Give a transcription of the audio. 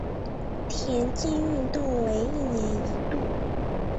田径运动会为一年一度。